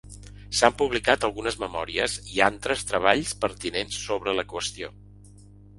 S'han publicat algunes memòries i antres treballs pertinents sobre la qüestió.